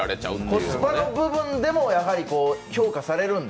コスパの部分でも評価されるので、